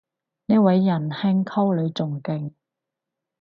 呢位人兄溝女仲勁